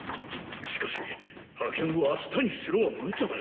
しかし派遣を明日にしろは無茶だ。